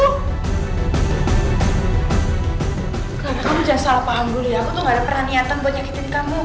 clara kamu jangan salah paham dulu ya aku tuh gak ada pernah niatan buat nyakitin kamu